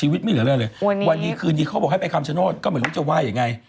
วันนี้คืนนี้เขาบอกให้ไปคำชาโน้นก็ไม่รู้จะไหว้ยังไง